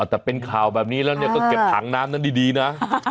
แต่เป็นข่าวแบบนี้แล้วเนี่ยก็เก็บถังน้ำนั้นดีนะ